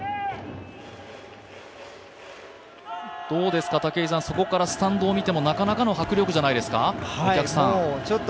どうですか、そこからスタンドを見てもなかなかの迫力じゃないですか、お客さん。